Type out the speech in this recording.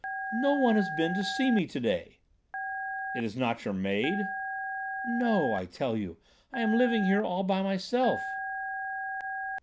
"No one has been to see me to day." "It is not your maid?" "No; I tell you. I am living here all by myself."